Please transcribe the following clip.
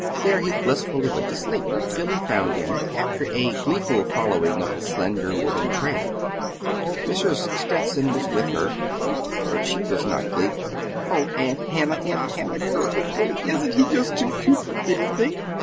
There he blissfully went to sleep. Billy found him after a gleeful following of the slender woollen trail. Mrs. Stetson was with her but she was not gleeful. "Oh, Aunt Hannah, Aunt Hannah," gurgled Billy, "isn't he just too cute for anything?"